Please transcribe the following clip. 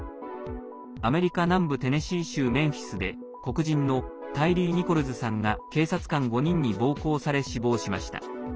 アメリカ南部テネシー州メンフィスで黒人のタイリー・ニコルズさんが警察官５人に暴行され死亡しました。